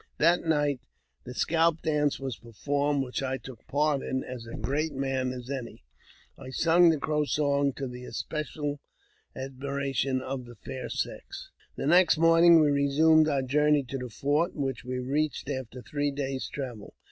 That night the scalp dance w performed, which I took part in, as great a man as any. sung the Crow song, to the especial admiration of the fa: sex. The next morning we resumed our journey to the fo which we reached after three days' travel.